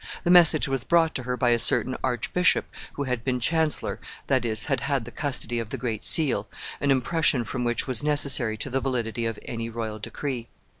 The message was brought to her by a certain archbishop who had been chancellor, that is, had had the custody of the great seal, an impression from which was necessary to the validity of any royal decree.